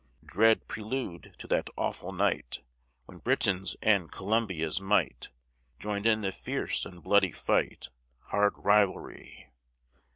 Dread prelude to that awful night When Britain's and Columbia's might Join'd in the fierce and bloody fight, Hard rivalry.